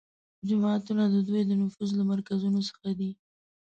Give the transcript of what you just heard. جوماتونه د دوی د نفوذ له مرکزونو څخه دي